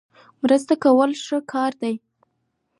مرسته کول ښه دي